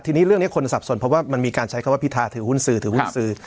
ทีนี้เรื่องนี้คนสับสนเพราะว่ามันมีการใช้คำว่าพิธาถือหุ้นสื่อถือหุ้นสื่อ